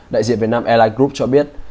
đại diện việt nam airline group cho biết